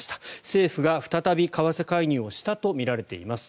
政府が再び為替介入をしたとみられています。